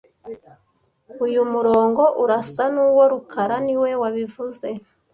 Uyu murongo urasa nuwo rukara niwe wabivuze